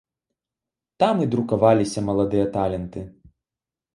Там і друкаваліся маладыя таленты.